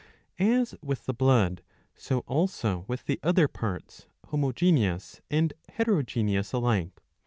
^ As with the blood so also with the other parts, homogeneous and heterogeneous alike.